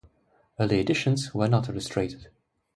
Early editions were not illustrated.